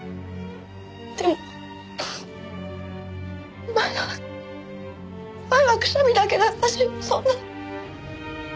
でも前は前はくしゃみだけだったしそんな。